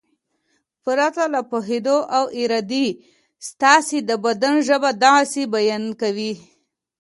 پرته له پوهېدو او ارادې ستاسې د بدن ژبه د غسې بیان کوي.